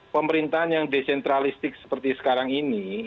pemerintahan yang desentralistik seperti sekarang ini